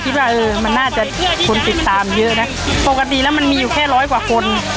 ว่าเออมันน่าจะคนติดตามเยอะนะปกติแล้วมันมีอยู่แค่ร้อยกว่าคน